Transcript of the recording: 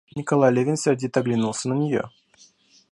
Николай Левин сердито оглянулся на нее.